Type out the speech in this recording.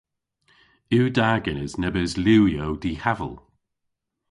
Yw da genes nebes liwyow dihaval?